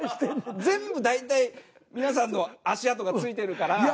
全部大体皆さんの足跡がついてるから。